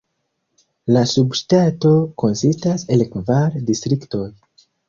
La subŝtato konsistas el kvar distriktoj.